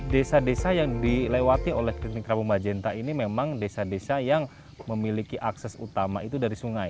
desa desa yang dilewati oleh klinik rabu majenta ini memang desa desa yang memiliki akses utama itu dari sungai